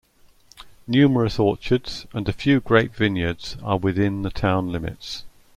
Numerous orchards and a few grape vineyards are within the town limits.